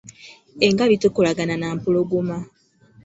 Engabi tekolagana na mpologoma.